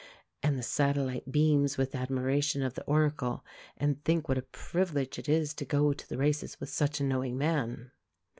And the satellites beam with admiration of the Oracle, and think what a privilege it is to go to the races with such a knowing man.